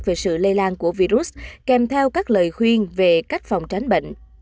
về sự lây lan của virus kèm theo các lời khuyên về cách phòng tránh bệnh